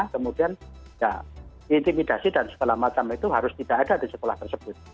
kemudian ya intimidasi dan segala macam itu harus tidak ada di sekolah tersebut